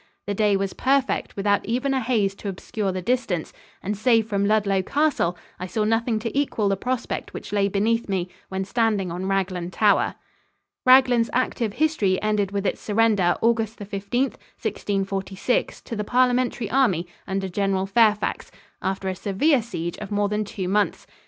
The day was perfect, without even a haze to obscure the distance, and save from Ludlow Castle, I saw nothing to equal the prospect which lay beneath me when standing on Raglan Tower. Raglan's active history ended with its surrender August 15, 1646, to the Parliamentary army under General Fairfax, after a severe siege of more than two months.